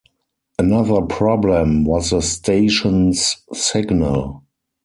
Another problem was the station's signal.